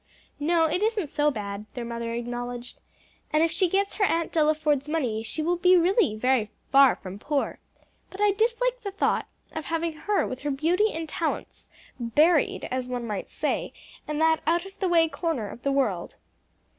"No, it isn't so bad," their mother acknowledged, "and if she gets her Aunt Delaford's money, she will really be very far from poor. But I dislike the thought of having her, with her beauty and talents, buried, as one may say, in that out of the way corner of the world."